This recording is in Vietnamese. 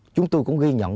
chúng tôi cũng ghi nhận